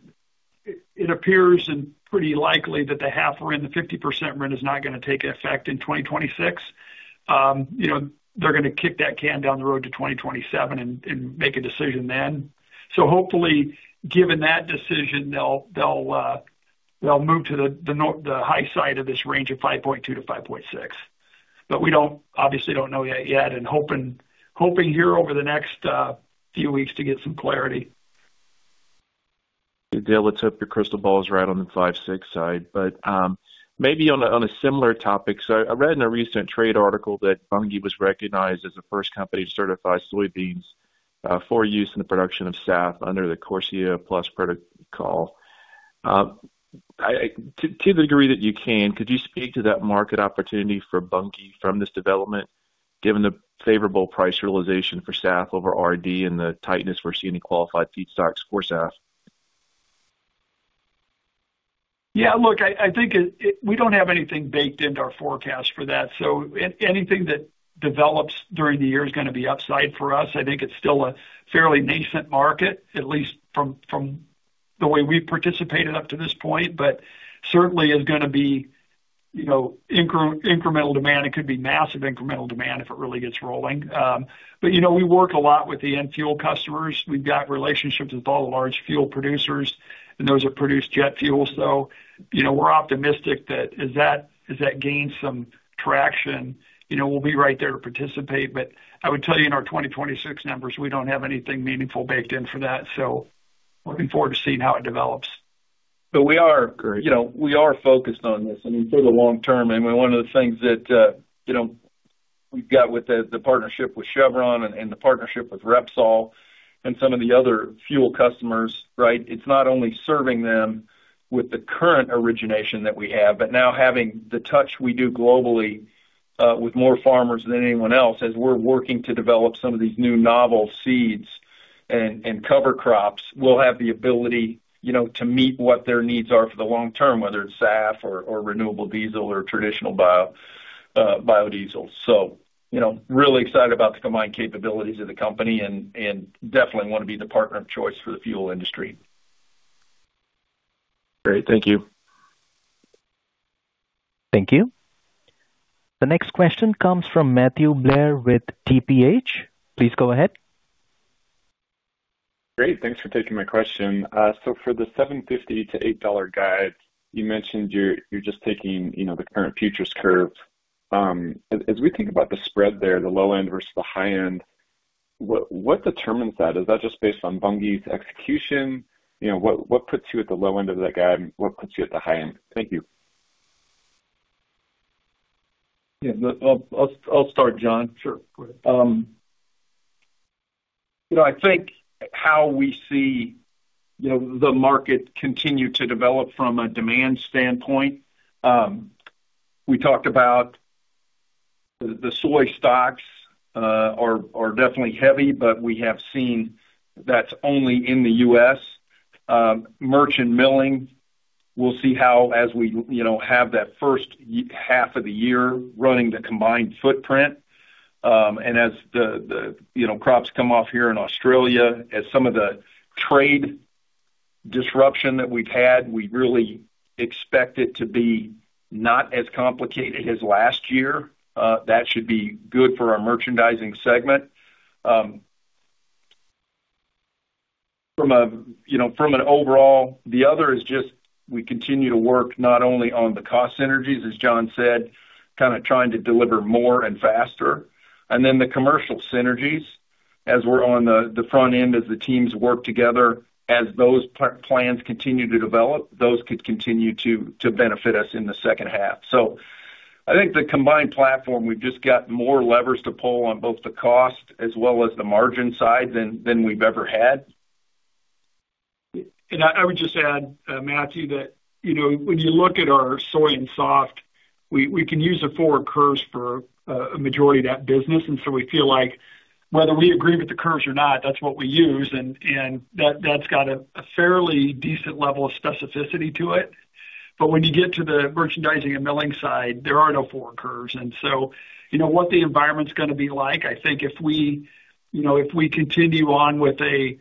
it appears and pretty likely that the half RIN, the 50% RIN, is not gonna take effect in 2026. You know, they're gonna kick that can down the road to 2027 and make a decision then. So hopefully, given that decision, they'll move to the high side of this range of 5.2-5.6. But we don't... Obviously, don't know yet, and hoping here over the next few weeks to get some clarity. Good deal. Let's hope your crystal ball is right on the 5.6 side. But, maybe on a similar topic. So I read in a recent trade article that Bunge was recognized as the first company to certify soybeans for use in the production of SAF under the CORSIA Plus protocol. To the degree that you can, could you speak to that market opportunity for Bunge from this development, given the favorable price realization for SAF over RD and the tightness we're seeing in qualified feedstocks for SAF? Yeah, look, I think it, we don't have anything baked into our forecast for that, so anything that develops during the year is gonna be upside for us. I think it's still a fairly nascent market, at least from the way we've participated up to this point, but certainly is gonna be, you know, incremental demand. It could be massive incremental demand if it really gets rolling. But, you know, we work a lot with the end fuel customers. We've got relationships with all the large fuel producers and those that produce jet fuel. So, you know, we're optimistic that as that gains some traction, you know, we'll be right there to participate. But I would tell you, in our 2026 numbers, we don't have anything meaningful baked in for that, so looking forward to seeing how it develops. But we are, you know, we are focused on this, I mean, for the long term. I mean, one of the things that, you know, we've got with the, the partnership with Chevron and, and the partnership with Repsol and some of the other fuel customers, right? It's not only serving them with the current origination that we have, but now having the touch we do globally, with more farmers than anyone else, as we're working to develop some of these new novel seeds and, and cover crops, we'll have the ability, you know, to meet what their needs are for the long term, whether it's SAF or, or renewable diesel or traditional bio, biodiesel. So, you know, really excited about the combined capabilities of the company and, and definitely wanna be the partner of choice for the fuel industry. Great. Thank you. Thank you. The next question comes from Matthew Blair with TPH. Please go ahead. Great. Thanks for taking my question. So for the $7.50-$8 guide, you mentioned you're just taking, you know, the current futures curve. As we think about the spread there, the low end versus the high end, what determines that? Is that just based on Bunge's execution? You know, what puts you at the low end of that guide, and what puts you at the high end? Thank you. Yeah, I'll start, John. Sure. You know, I think how we see, you know, the market continue to develop from a demand standpoint, we talked about the soy stocks are definitely heavy, but we have seen that's only in the U.S. Merchant milling, we'll see how as we, you know, have that first half of the year running the combined footprint. And as the you know, crops come off here in Australia, as some of the trade disruption that we've had, we really expect it to be not as complicated as last year. That should be good for our merchandising segment. You know, from an overall, the other is just we continue to work not only on the cost synergies, as John said, kind of trying to deliver more and faster, and then the commercial synergies as we're on the front end, as the teams work together, as those plans continue to develop, those could continue to benefit us in the second half. So I think the combined platform, we've just got more levers to pull on both the cost as well as the margin side than we've ever had. And I, I would just add, Matthew, that, you know, when you look at our soy and softseeds. We, we can use the forward curves for a majority of that business, and so we feel like whether we agree with the curves or not, that's what we use, and, and that, that's got a fairly decent level of specificity to it. But when you get to the merchandising and milling side, there are no forward curves. And so, you know, what the environment's gonna be like, I think if we, you know, if we continue on with a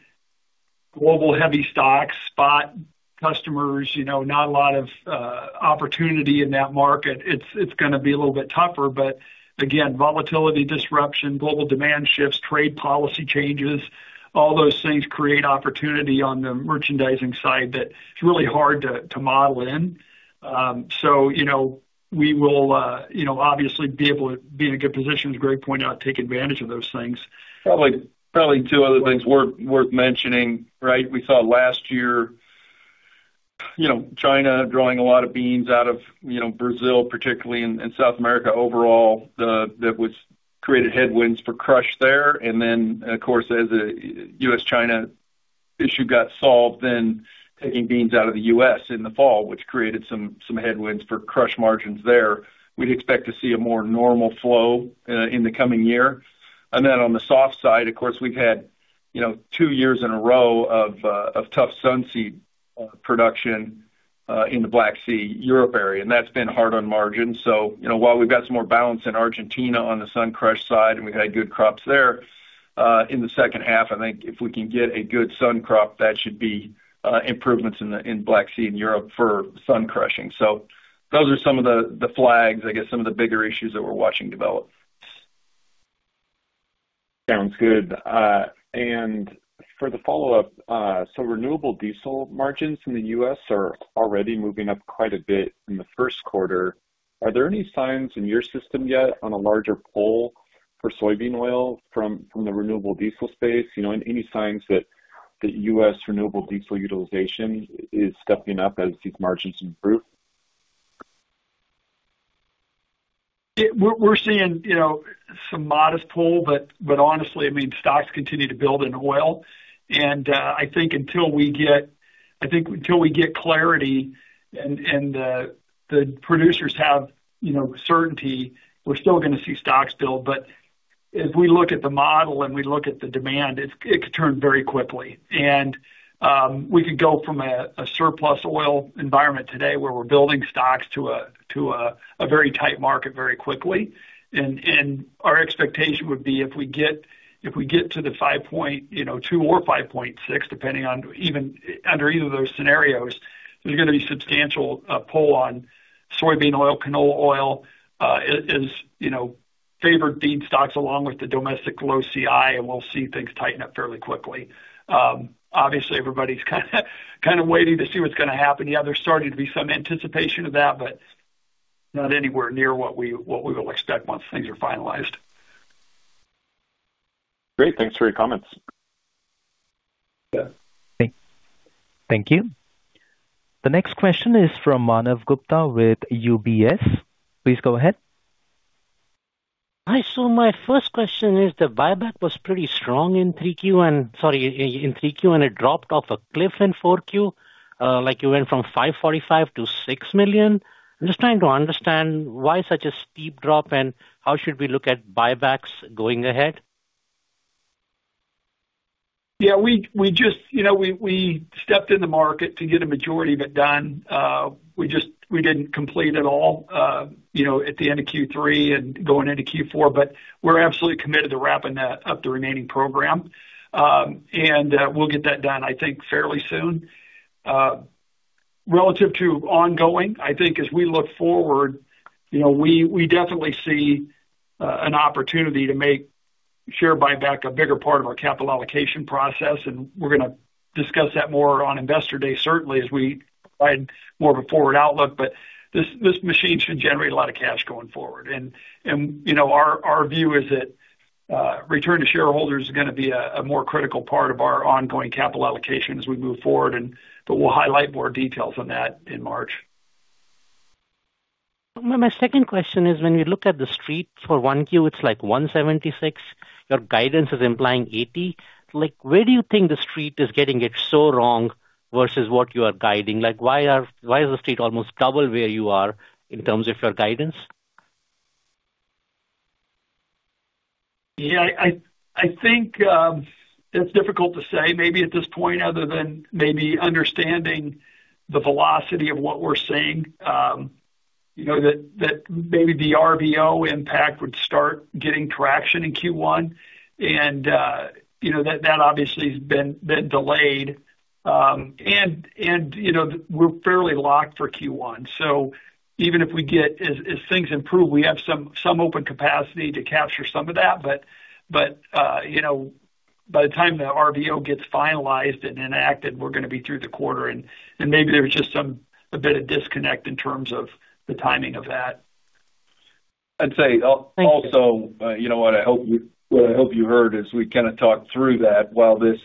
global heavy stock spot, customers, you know, not a lot of opportunity in that market, it's, it's gonna be a little bit tougher. But again, volatility, disruption, global demand shifts, trade policy changes, all those things create opportunity on the merchandising side that it's really hard to, to model in. So, you know, we will, you know, obviously be able to be in a good position, as Greg pointed out, take advantage of those things. Probably two other things worth mentioning, right? We saw last year, you know, China drawing a lot of beans out of, you know, Brazil, particularly in South America overall. That was created headwinds for crush there. And then, of course, as U.S.-China issue got solved, then taking beans out of the U.S. in the fall, which created some headwinds for crush margins there. We'd expect to see a more normal flow in the coming year. And then on the soft side, of course, we've had, you know, two years in a row of tough sunseed production in the Black Sea, Europe area, and that's been hard on margins. So, you know, while we've got some more balance in Argentina on the sun crush side, and we've had good crops there in the second half, I think if we can get a good sun crop, that should be improvements in the Black Sea in Europe for sun crushing. So those are some of the flags, I guess, some of the bigger issues that we're watching develop. Sounds good. And for the follow-up, so renewable diesel margins in the U.S. are already moving up quite a bit in the first quarter. Are there any signs in your system yet on a larger pull for soybean oil from the renewable diesel space? You know, and any signs that U.S. renewable diesel utilization is stepping up as these margins improve? We're seeing, you know, some modest pull, but honestly, I mean, stocks continue to build in oil. And I think until we get clarity and the producers have, you know, certainty, we're still gonna see stocks build. But if we look at the model and we look at the demand, it could turn very quickly. And we could go from a surplus oil environment today, where we're building stocks, to a very tight market very quickly. Our expectation would be if we get, if we get to the 5.2 or 5.6, depending on even under either of those scenarios, there's gonna be substantial pull on soybean oil, canola oil is, you know, favored bean stocks, along with the domestic low CI, and we'll see things tighten up fairly quickly. Obviously, everybody's kind of waiting to see what's gonna happen. Yeah, there's starting to be some anticipation of that, but not anywhere near what we, what we will expect once things are finalized. Great. Thanks for your comments. Yeah. Thank you. The next question is from Manav Gupta with UBS. Please go ahead. Hi. So my first question is, the buyback was pretty strong in 3Q and—in 3Q, and it dropped off a cliff in 4Q. Like, you went from $545 million to $6 million. I'm just trying to understand, why such a steep drop, and how should we look at buybacks going ahead? Yeah, we just, you know, we stepped in the market to get a majority of it done. We just—we didn't complete it all, you know, at the end of Q3 and going into Q4, but we're absolutely committed to wrapping that up, the remaining program. And we'll get that done, I think, fairly soon. Relative to ongoing, I think as we look forward, you know, we definitely see an opportunity to make share buyback a bigger part of our capital allocation process, and we're gonna discuss that more on Investor Day, certainly, as we provide more of a forward outlook. But this machine should generate a lot of cash going forward. You know, our view is that return to shareholders is gonna be a more critical part of our ongoing capital allocation as we move forward, but we'll highlight more details on that in March. My second question is, when we look at the Street for 1Q, it's like $1.76. Your guidance is implying $0.80. Like, where do you think the Street is getting it so wrong versus what you are guiding? Like, why is the Street almost double where you are in terms of your guidance? Yeah, I think it's difficult to say maybe at this point, other than maybe understanding the velocity of what we're seeing. You know, that maybe the RVO impact would start getting traction in Q1, and you know, that obviously has been delayed. And you know, we're fairly locked for Q1. So even if we get... As things improve, we have some open capacity to capture some of that, but you know, by the time the RVO gets finalized and enacted, we're gonna be through the quarter. And maybe there's just some- a bit of disconnect in terms of the timing of that. I'd say- Thank you. Also, you know what? I hope you—what I hope you heard as we kind of talked through that, while this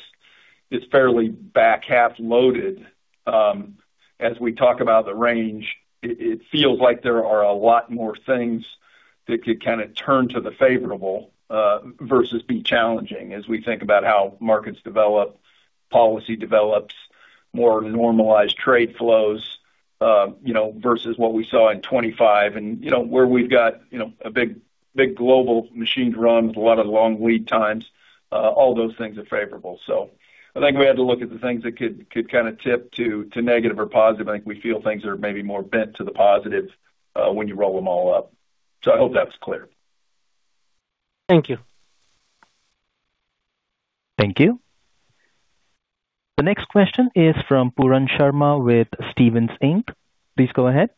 is fairly back half loaded, as we talk about the range, it feels like there are a lot more things that could kind of turn to the favorable versus be challenging, as we think about how markets develop, policy develops.... more normalized trade flows, you know, versus what we saw in 2025. And, you know, where we've got, you know, a big, big global machine to run with a lot of long lead times, all those things are favorable. So I think we had to look at the things that could, could kind of tip to, to negative or positive. I think we feel things are maybe more bent to the positive, when you roll them all up. I hope that's clear. Thank you. Thank you. The next question is from Pooran Sharma with Stephens Inc. Please go ahead.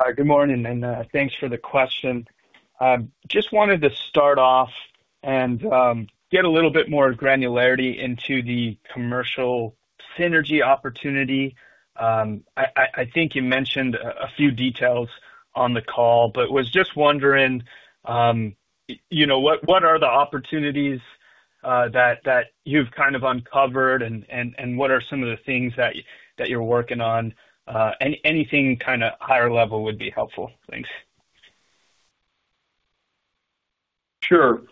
Hi, good morning, and thanks for the question. Just wanted to start off and get a little bit more granularity into the commercial synergy opportunity. I think you mentioned a few details on the call, but was just wondering, you know, what are the opportunities that you've kind of uncovered and what are some of the things that you're working on? Anything kinda higher level would be helpful. Thanks. Sure.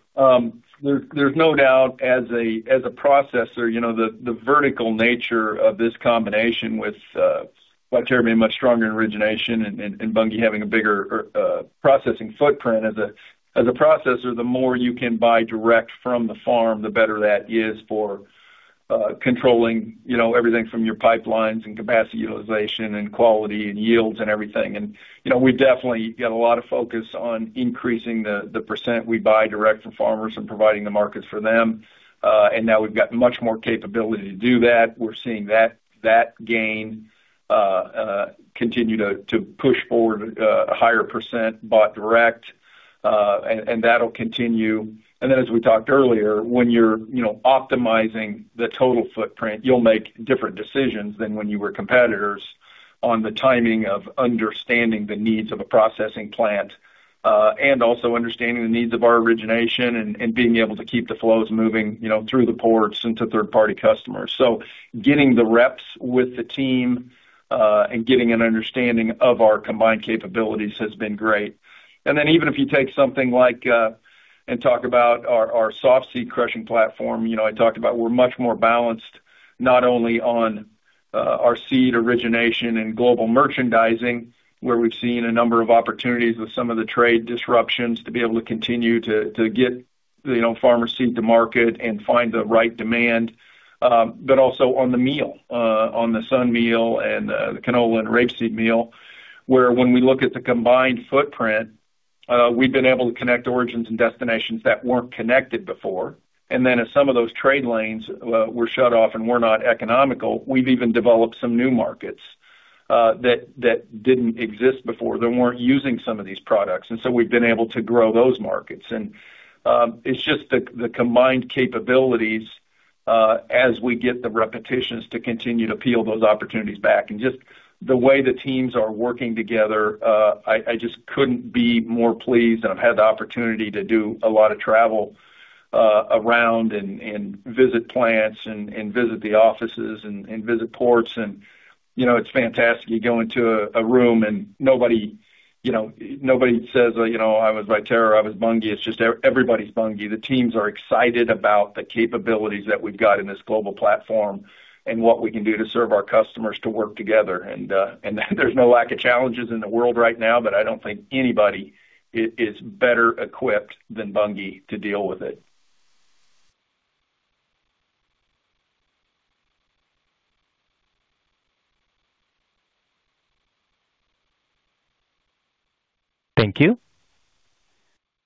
There's no doubt as a processor, you know, the vertical nature of this combination with Viterra being a much stronger origination and Bunge having a bigger processing footprint. As a processor, the more you can buy direct from the farm, the better that is for controlling, you know, everything from your pipelines and capacity utilization and quality and yields and everything. And, you know, we've definitely got a lot of focus on increasing the percent we buy direct from farmers and providing the markets for them. And now we've got much more capability to do that. We're seeing that gain continue to push forward a higher percent bought direct, and that'll continue. And then, as we talked earlier, when you're, you know, optimizing the total footprint, you'll make different decisions than when you were competitors on the timing of understanding the needs of a processing plant, and also understanding the needs of our origination and, and being able to keep the flows moving, you know, through the ports and to third-party customers. So getting the reps with the team, and getting an understanding of our combined capabilities has been great. And then, even if you take something like and talk about our soft seed crushing platform, you know, I talked about we're much more balanced, not only on our seed origination and global merchandising, where we've seen a number of opportunities with some of the trade disruptions to be able to continue to get, you know, farmer seed to market and find the right demand, but also on the meal, on the sun meal and the canola and rapeseed meal. Where when we look at the combined footprint, we've been able to connect origins and destinations that weren't connected before. And then, as some of those trade lanes were shut off and were not economical, we've even developed some new markets that didn't exist before, that weren't using some of these products, and so we've been able to grow those markets. And it's just the combined capabilities as we get the repetitions to continue to peel those opportunities back. And just the way the teams are working together, I just couldn't be more pleased, and I've had the opportunity to do a lot of travel around and visit plants and visit the offices and visit ports and, you know, it's fantastic. You go into a room and nobody, you know, nobody says, "You know, I was Viterra, I was Bunge." It's just everybody's Bunge. The teams are excited about the capabilities that we've got in this global platform and what we can do to serve our customers to work together. And there's no lack of challenges in the world right now, but I don't think anybody is, is better equipped than Bunge to deal with it. Thank you.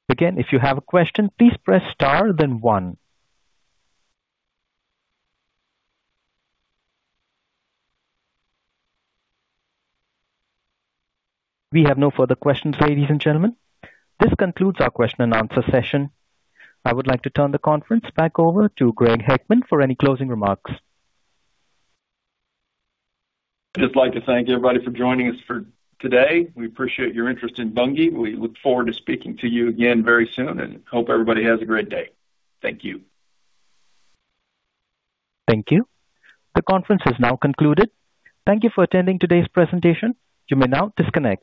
Again, if you have a question, please press star then one. We have no further questions, ladies and gentlemen. This concludes our question and answer session. I would like to turn the conference back over to Greg Heckman for any closing remarks. I'd just like to thank everybody for joining us for today. We appreciate your interest in Bunge. We look forward to speaking to you again very soon and hope everybody has a great day. Thank you. Thank you. The conference is now concluded. Thank you for attending today's presentation. You may now disconnect.